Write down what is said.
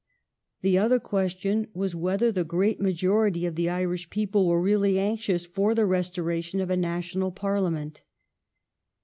The other question was whether the great majority of the Irish people were really anxious for the restoration of a National Parliament.